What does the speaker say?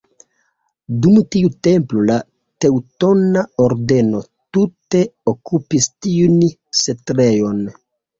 Dum tiu tempo la Teŭtona Ordeno tute okupis tiun setlejon.